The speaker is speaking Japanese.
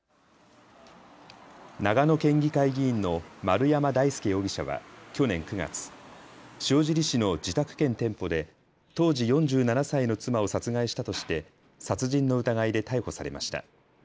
長野県議会議員の丸山大輔容疑者は去年９月、塩尻市の自宅兼店舗で当時４７歳の妻を殺害したとして殺人の疑いで逮捕されました。